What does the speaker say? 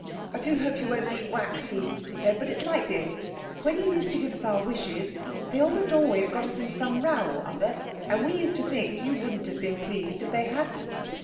"I do hope you won't be waxy," he said; "but it's like this: when you used to give us our wishes they almost always got us into some row or other, and we used to think you wouldn't have been pleased if they hadn't.